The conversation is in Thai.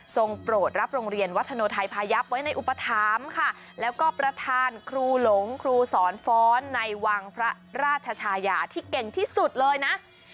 โปรดรับโรงเรียนวัฒโนไทยพายับไว้ในอุปถามค่ะแล้วก็ประธานครูหลงครูสอนฟ้อนในวังพระราชชายาที่เก่งที่สุดเลยนะ